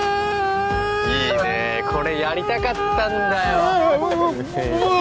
いいねこれやりたかったんだようわうわ